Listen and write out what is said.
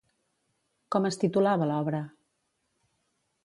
Com es titulava l'obra?